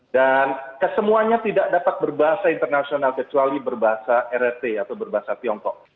dan kesemuanya tidak dapat berbahasa internasional kecuali berbahasa rrt atau berbahasa tiongkok